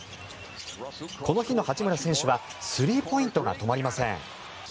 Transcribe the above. この日の八村選手はスリーポイントが止まりません。